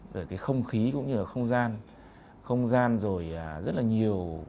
về cái không khí cũng như là không gian không gian rồi rất là nhiều